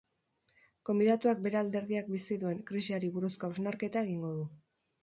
Gonbidatuak bere alderdiak bizi duen krisiari buruzko hausnarketa egingo du.